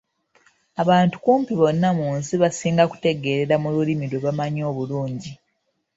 Abantu kumpi bonna mu nsi basinga kutegeerera mu lulimi lwe bamanyi obulungi.